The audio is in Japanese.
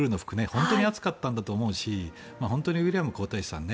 本当に暑かったんだと思うし本当にウィリアム皇太子さん